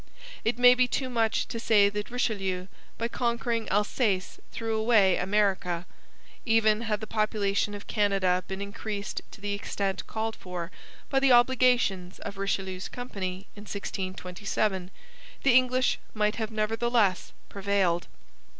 It may be too much to say that Richelieu by conquering Alsace threw away America. Even had the population of Canada been increased to the extent called for by the obligations of Richelieu's company in 1627, the English might have nevertheless prevailed.